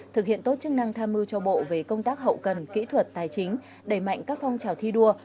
thực hiện tốt chức năng tham mưu cho bộ về công tác hậu cần kỹ thuật tài chính đẩy mạnh các phong trào thi đua